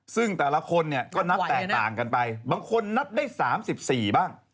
ซึ่งแต่ละคนเนี่ยก็นับแตกต่างกันไปบางคนนับได้๓๔บ้าง